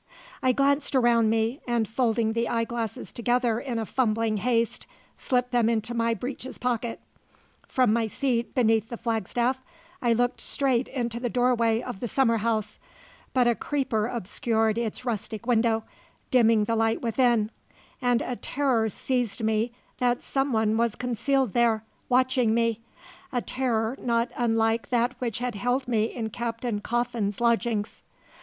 I glanced around me, and, folding the eyeglasses together in a fumbling haste, slipped them into my breeches pocket. From my seat beneath the flagstaff I looked straight into the doorway of the summer house; but a creeper obscured its rustic window, dimming the light within; and a terror seized me that some one was concealed there, watching me a terror not unlike that which had held me in Captain Coffin's lodgings.